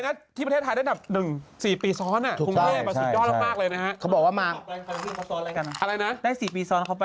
อะไรนะได้๔ปีซ้อนเข้าไปทำไม